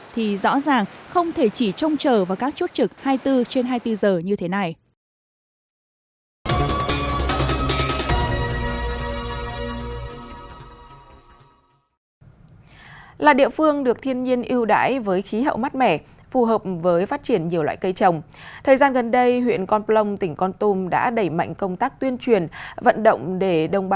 thì rõ ràng không thể chỉ trông chờ vào các chốt trực hai mươi bốn trên hai mươi bốn giờ như thế này